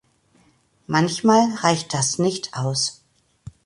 Manchmal reicht das nicht aus.